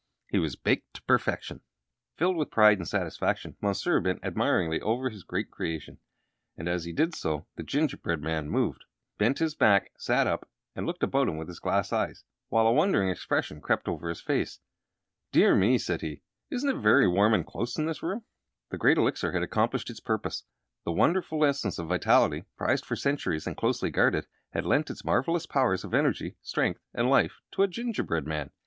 He was baked to perfection! Filled with pride and satisfaction, Monsieur bent admiringly over his great creation; and as he did so, the gingerbread man moved, bent his back, sat up, and looked about him with his glass eyes, while a wondering expression crept over his face. "Dear me!" said he, "isn't it very warm and close in this room?" The Great Elixir had accomplished its purpose. The wonderful Essence of Vitality, prized for centuries and closely guarded, had lent its marvelous powers of energy, strength, and life to a gingerbread man!